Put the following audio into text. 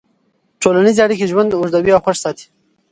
ټولنیزې اړیکې ژوند اوږدوي او خوښ ساتي.